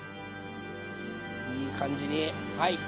いい感じにはい。